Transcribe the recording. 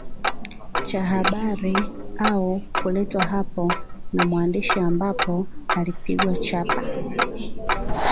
Cha habari au kuletwa hapo na mwandishi ambapo ilipigwa chapa